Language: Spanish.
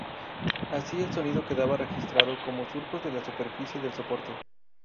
Así, el sonido quedaba registrado como surcos en la superficie del soporte.